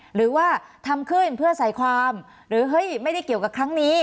หรือว่าทำขึ้นเพื่อใส่ความหรือเฮ้ยไม่ได้เกี่ยวกับครั้งนี้